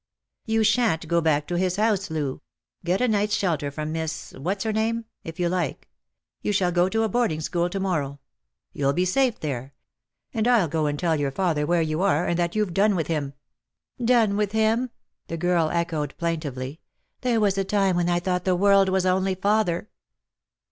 " You sha'n't go back to his house, Loo. Get a night's shelter from Miss — what's her name P — if you like. You shall go to a boarding school to morrow. You'll be safe there. And I'll go and tell your father where you are, and that you've done with him." " Done with him !" the girl echoed plaintively. " There was a time when I thought the world was only father."